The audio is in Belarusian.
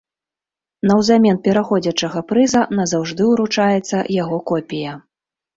Наўзамен пераходзячага прыза назаўжды ўручаецца яго копія.